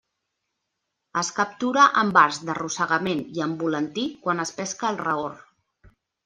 Es captura amb arts d'arrossegament i amb volantí quan es pesca el raor.